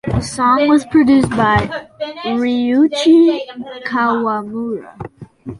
The song was produced by Ryuichi Kawamura.